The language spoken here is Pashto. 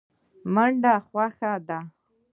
منډه خوښه ده.